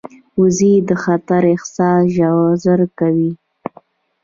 وزې د خطر احساس ژر کوي